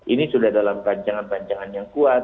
ini sudah dalam rancangan rancangan yang kuat